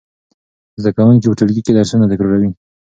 زده کوونکي په ټولګي کې درسونه تکراروي.